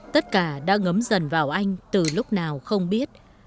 tất cả đã ngấm dần vào anh từ lúc nào không biết